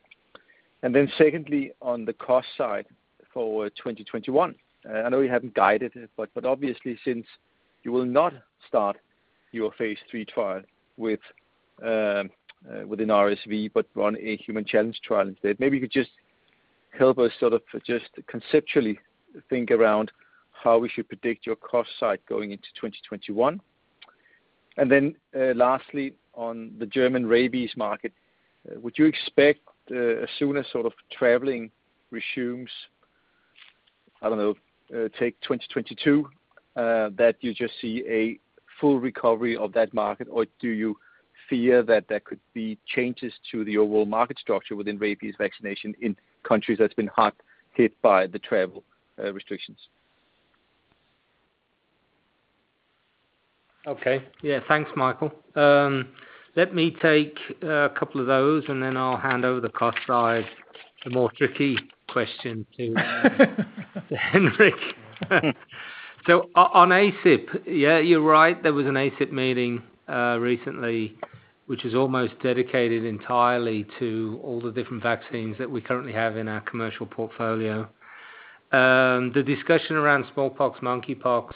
Speaker 6: Secondly, on the cost side for 2021, I know you haven't guided it, but obviously since you will not start your phase III trial within RSV, but on a human challenge trial instead, maybe you could just help us sort of just conceptually think around how we should predict your cost side going into 2021. Lastly, on the German rabies market, would you expect as soon as traveling resumes, I don't know, take 2022, that you just see a full recovery of that market? Or do you fear that there could be changes to the overall market structure within rabies vaccination in countries that's been hard hit by the travel restrictions?
Speaker 2: Okay. Yeah, thanks, Michael. Let me take a couple of those, and then I'll hand over the cost side, the more tricky question to Henrik. On ACIP, yeah, you're right, there was an ACIP meeting recently, which is almost dedicated entirely to all the different vaccines that we currently have in our commercial portfolio. The discussion around smallpox, monkeypox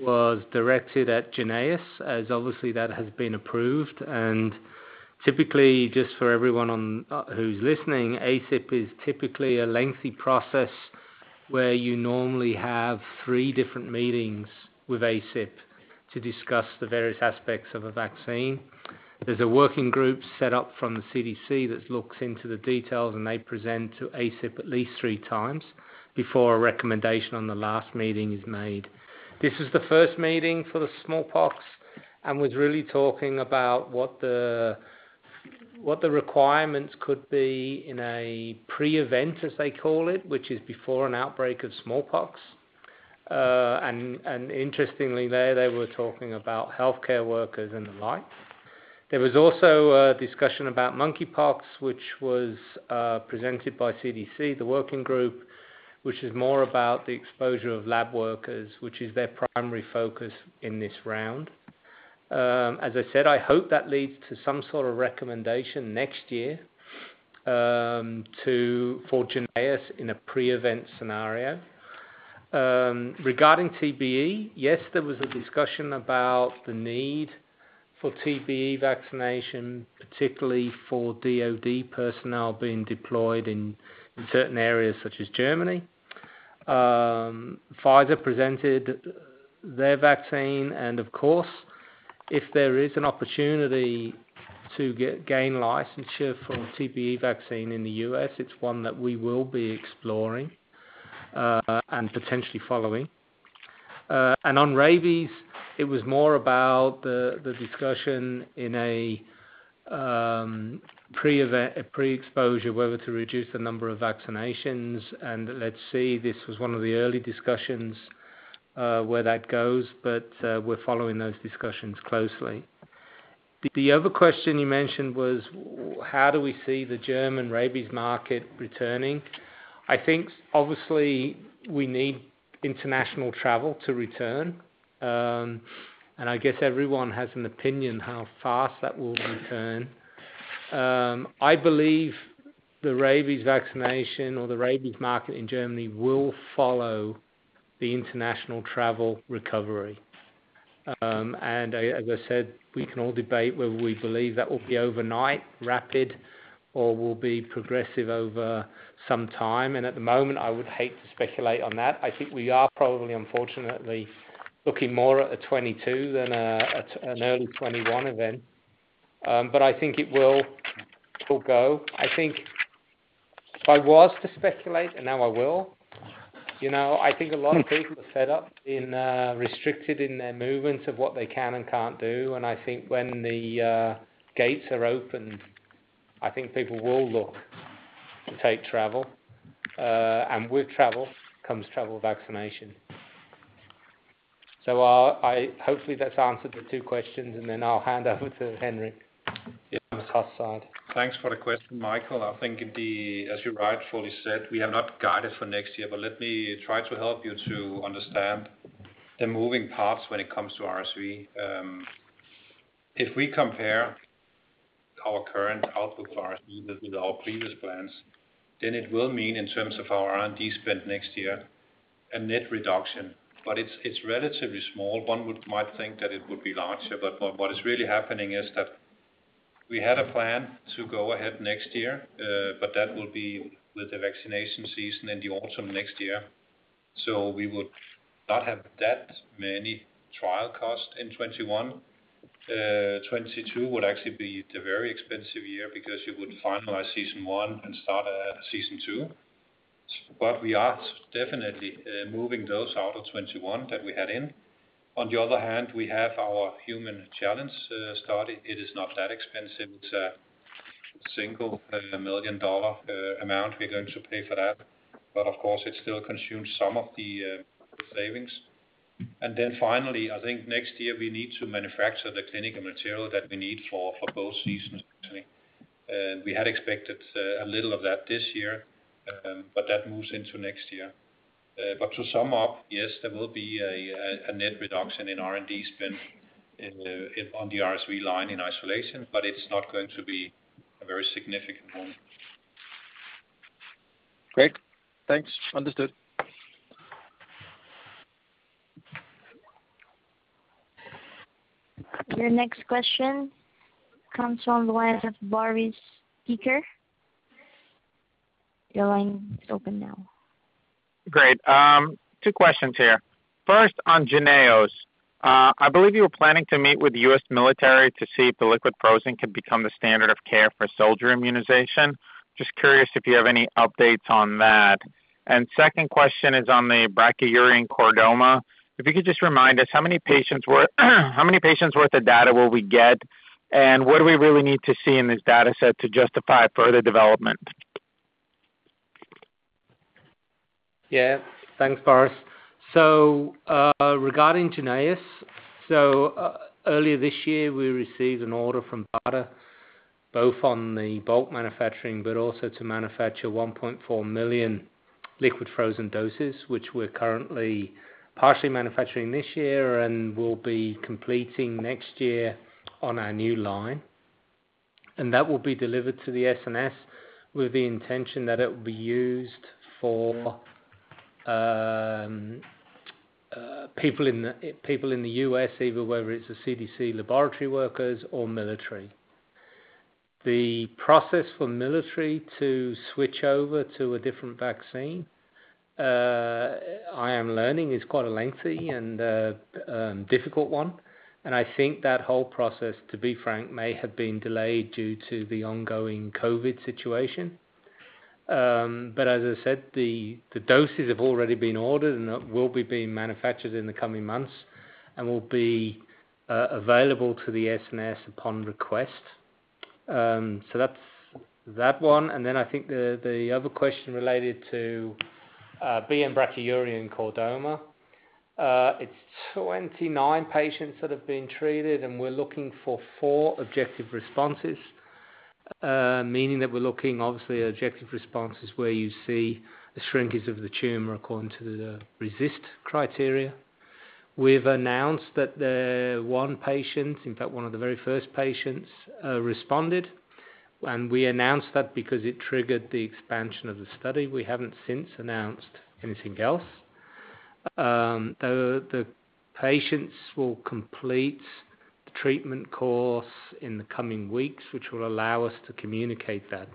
Speaker 2: was directed at JYNNEOS, as obviously that has been approved. Typically, just for everyone who's listening, ACIP is typically a lengthy process where you normally have three different meetings with ACIP to discuss the various aspects of a vaccine. There's a working group set up from the CDC that looks into the details, and they present to ACIP at least three times before a recommendation on the last meeting is made. This is the first meeting for the smallpox and was really talking about what the requirements could be in a pre-event, as they call it, which is before an outbreak of smallpox. Interestingly there, they were talking about healthcare workers and the like. There was also a discussion about monkeypox, which was presented by CDC, the working group, which is more about the exposure of lab workers, which is their primary focus in this round. As I said, I hope that leads to some sort of recommendation next year for JYNNEOS in a pre-event scenario. Regarding TBE, yes, there was a discussion about the need for TBE vaccination, particularly for DoD personnel being deployed in certain areas such as Germany. Pfizer presented their vaccine. Of course, if there is an opportunity to gain licensure for TBE vaccine in the U.S., it's one that we will be exploring and potentially following. On rabies, it was more about the discussion in a pre-exposure, whether to reduce the number of vaccinations. Let's see. This was one of the early discussions where that goes. We're following those discussions closely. The other question you mentioned was how do we see the German rabies market returning? I think obviously we need international travel to return. I guess everyone has an opinion how fast that will return. I believe the rabies vaccination or the rabies market in Germany will follow the international travel recovery. As I said, we can all debate whether we believe that will be overnight, rapid, or will be progressive over some time. At the moment, I would hate to speculate on that. I think we are probably, unfortunately, looking more at a 2022 than an early 2021 event. I think it will go. I think if I was to speculate, and now I will, I think a lot of people are fed up being restricted in their movements of what they can and can't do, and I think when the gates are open, I think people will look to take travel. With travel comes travel vaccination. Hopefully that's answered the two questions, and then I'll hand over to Henrik on the cost side.
Speaker 3: Thanks for the question, Michael. I think as you rightfully said, we have not guided for next year. Let me try to help you to understand the moving parts when it comes to RSV. If we compare our current outlook for RSV with our previous plans, then it will mean in terms of our R&D spend next year, a net reduction, but it's relatively small. One might think that it would be larger. What is really happening is that we had a plan to go ahead next year, but that will be with the vaccination season in the autumn of next year. We would not have that many trial costs in 2021. 2022 would actually be the very expensive year because you would finalize season one and start a season two. We are definitely moving those out of 2021 that we had in. On the other hand, we have our human challenge study. It is not that expensive. It's a single million dollar amount we're going to pay for that. Of course, it still consumes some of the savings. Finally, I think next year we need to manufacture the clinical material that we need for both seasons. We had expected a little of that this year, but that moves into next year. To sum up, yes, there will be a net reduction in R&D spend on the RSV line in isolation, but it's not going to be a very significant one.
Speaker 6: Great. Thanks. Understood.
Speaker 4: Your next question comes from the line of Boris Peaker. Your line is open now.
Speaker 7: Great. Two questions here. First, on JYNNEOS. I believe you were planning to meet with the U.S. military to see if the liquid frozen could become the standard of care for soldier immunization. Just curious if you have any updates on that. Second question is on the brachyury and chordoma. If you could just remind us, how many patients worth of data will we get, and what do we really need to see in this data set to justify further development?
Speaker 2: Yeah. Thanks, Boris. Regarding JYNNEOS, earlier this year we received an order from BARDA, both on the bulk manufacturing but also to manufacture 1.4 million liquid frozen doses, which we're currently partially manufacturing this year and will be completing next year on our new line. That will be delivered to the SNS with the intention that it will be used for people in the U.S., either whether it's the CDC laboratory workers or military. The process for military to switch over to a different vaccine, I am learning, is quite a lengthy and difficult one. I think that whole process, to be frank, may have been delayed due to the ongoing COVID situation. As I said, the doses have already been ordered and will be being manufactured in the coming months and will be available to the SNS upon request. That's that one. I think the other question related to being brachyury and chordoma. It's 29 patients that have been treated, and we're looking for four objective responses. Meaning that we're looking, obviously, objective responses where you see a shrinkage of the tumor according to the RECIST criteria. We've announced that one patient, in fact one of the very first patients, responded. We announced that because it triggered the expansion of the study. We haven't since announced anything else. The patients will complete the treatment course in the coming weeks, which will allow us to communicate that.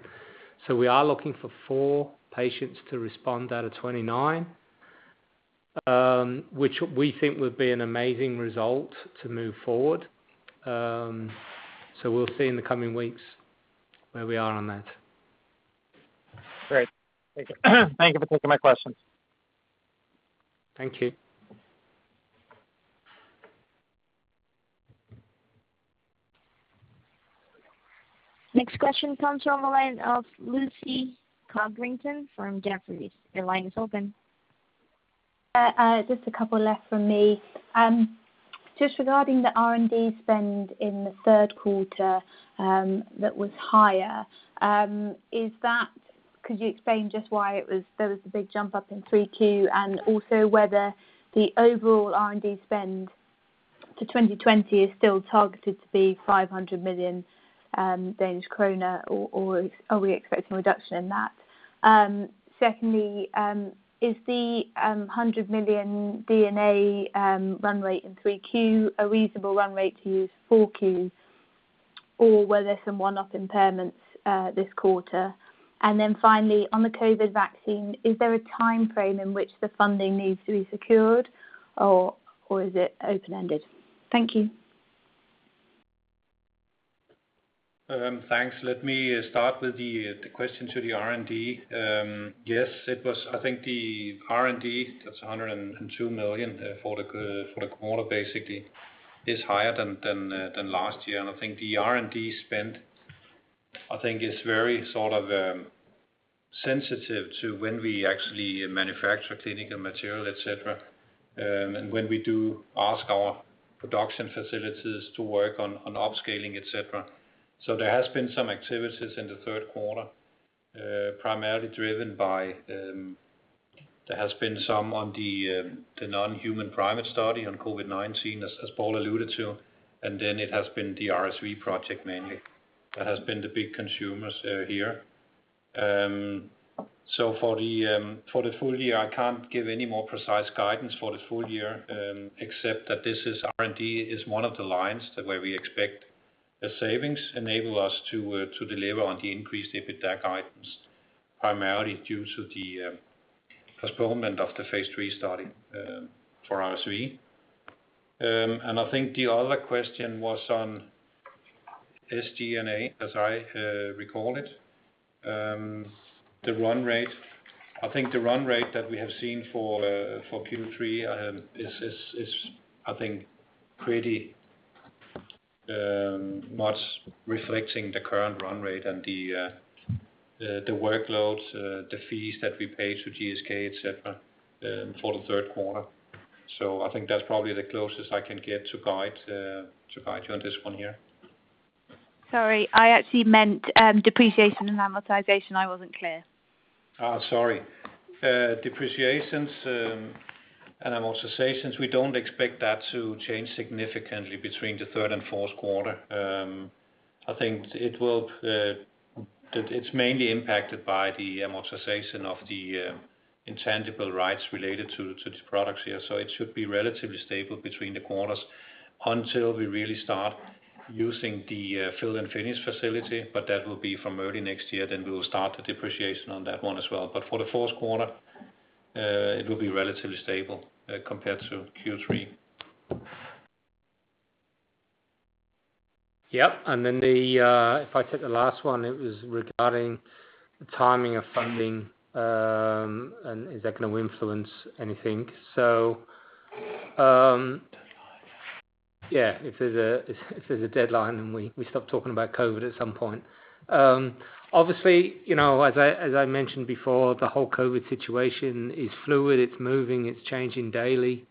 Speaker 2: We are looking for four patients to respond out of 29, which we think would be an amazing result to move forward. We'll see in the coming weeks where we are on that.
Speaker 7: Great. Thank you. Thank you for taking my questions.
Speaker 2: Thank you.
Speaker 4: Next question comes from the line of Lucy Codrington from Jefferies.
Speaker 8: Just a couple left from me. Regarding the R&D spend in the third quarter that was higher. Could you explain just why there was a big jump up in 3Q, and also whether the overall R&D spend to 2020 is still targeted to be 500 million Danish krone, or are we expecting a reduction in that? Secondly, is the 100 million D&A run rate in 3Q a reasonable run rate to use for 4Q, or were there some one-off impairments this quarter? Finally, on the COVID vaccine, is there a timeframe in which the funding needs to be secured or is it open-ended?
Speaker 3: Thanks. Let me start with the question to the R&D. Yes, it was. I think the R&D, that's 102 million for the quarter, basically is higher than last year. I think the R&D spend is very sort of sensitive to when we actually manufacture clinical material, et cetera, and when we do ask our production facilities to work on upscaling, et cetera. There has been some activities in the third quarter, primarily driven by. There has been some on the non-human primate study on COVID-19, as Paul alluded to, and then it has been the RSV project mainly, that has been the big consumers here. For the full year, I can't give any more precise guidance for the full year, except that this R&D is one of the lines where we expect the savings enable us to deliver on the increased EBITDA guidance, primarily due to the postponement of the phase III study for RSV. I think the other question was on SG&A, as I recall it. The run rate. I think the run rate that we have seen for Q3 is I think pretty much reflecting the current run rate and the workloads, the fees that we pay to GSK, et cetera, for the third quarter. I think that's probably the closest I can get to guide you on this one here.
Speaker 8: Sorry, I actually meant depreciation and amortization. I wasn't clear.
Speaker 3: Sorry. Depreciations and amortization, we don't expect that to change significantly between the third and fourth quarter. I think it's mainly impacted by the amortization of the intangible rights related to the products here. It should be relatively stable between the quarters until we really start using the fill and finish facility, but that will be from early next year, then we will start the depreciation on that one as well. For the first quarter, it will be relatively stable compared to Q3.
Speaker 2: Yep. If I take the last one, it was regarding the timing of funding, and is that going to influence anything? Yeah, if there's a deadline, and we stop talking about COVID at some point. Obviously, as I mentioned before, the whole COVID situation is fluid. It's moving, it's changing daily.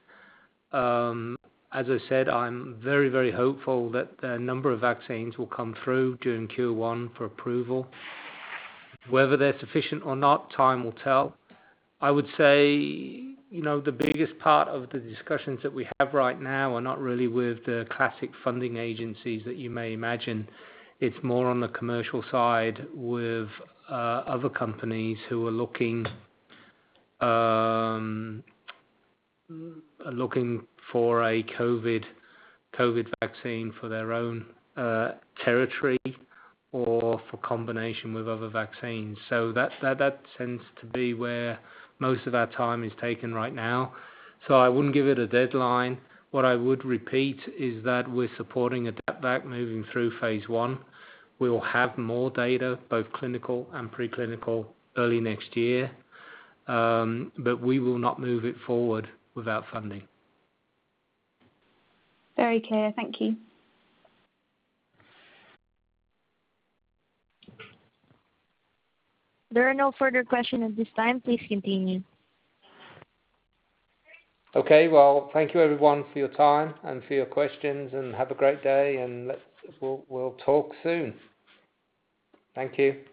Speaker 2: As I said, I'm very hopeful that a number of vaccines will come through during Q1 for approval. Whether they're sufficient or not, time will tell. I would say the biggest part of the discussions that we have right now are not really with the classic funding agencies that you may imagine. It's more on the commercial side with other companies who are looking for a COVID vaccine for their own territory or for combination with other vaccines. That tends to be where most of our time is taken right now. I wouldn't give it a deadline. What I would repeat is that we're supporting AdaptVac moving through phase I. We will have more data, both clinical and pre-clinical, early next year. We will not move it forward without funding.
Speaker 8: Very clear. Thank you.
Speaker 4: There are no further questions at this time. Please continue.
Speaker 2: Okay. Well, thank you, everyone, for your time and for your questions, and have a great day. We'll talk soon. Thank you.